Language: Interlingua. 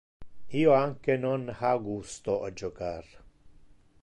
Io anque non ha gusto a jocar.